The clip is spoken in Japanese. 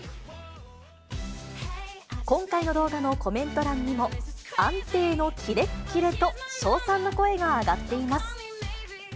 今回の動画のコメント欄にも、安定のキレッキレと称賛の声が上がっています。